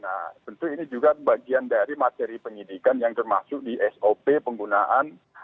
nah tentu ini juga bagian dari materi penyidikan yang termasuk di sop penggunaan